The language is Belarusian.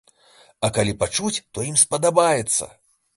А калі пачуюць, то ім спадабаецца.